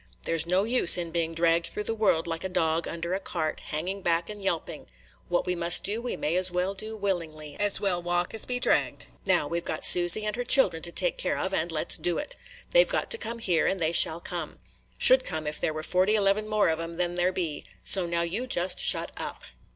There 's no use in being dragged through the world like a dog under a cart, hanging back and yelping. What we must do, we may as well do wilIingly, – as well walk as be dragged. Now we 've got Susy and her children to take care of, and let 's do it. They 've got to come here, and they shall come, – should come if there were forty eleven more of 'em than there be, – so now you just shut up."